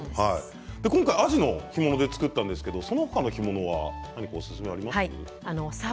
今回あじの干物で作ったんですがそのほかの干物は何かおすすめありますか。